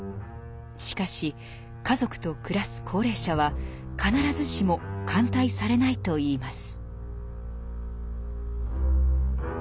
しかし家族と暮らす高齢者は必ずしも歓待されないといいます。